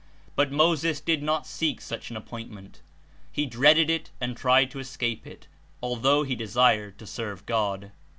But Moses did not seek such an appointment; he dreaded It and tried to escape It, although he de sired to serve God.